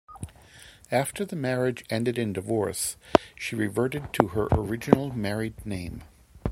After the marriage ended in divorce, she reverted to her original married name.